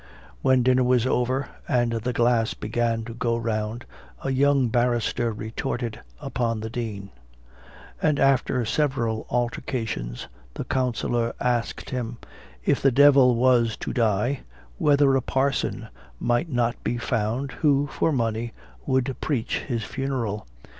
When dinner was over, and the glass began to go round, a young barrister retorted upon the dean; and after several altercations, the counsellor asked him, "If the devil was to die, whether a parson might not be found, who, for money, would preach his funeral?"